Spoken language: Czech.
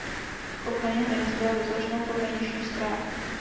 K ochraně hranic byla vytvořena pohraniční stráž.